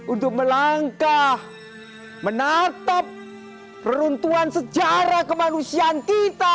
untuk melangkah menatap runtuhan sejarah kemanusiaan kita